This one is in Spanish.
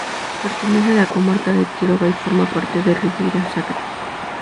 Pertenece a la comarca de Quiroga y forma parte de la Ribeira Sacra.